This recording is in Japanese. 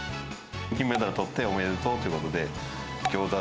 金メダルとって、おめでとうということで、ギョーザ、